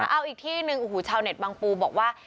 เอาอีกที่หนึ่งโอ้โหชาวเน็ตบางปูบอกว่า